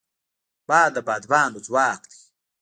باد د بادبانو ځواک دی